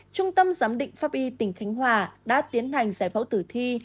trung tâm giám định pháp y tỉnh khánh hòa đã tiến hành giải phẫu tử thi